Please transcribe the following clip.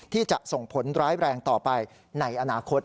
ที่จะส่งผลร้ายแรงต่อไปในอนาคต